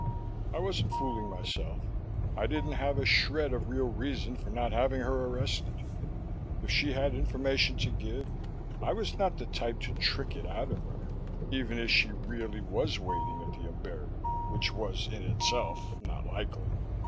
I wasn't fooling myself. I didn't have a shred of real reason for not having her arrested. If she had information to give, I was not the type to trick it out of her even if she really was waiting at the Umberto, which was, in itself, not likely.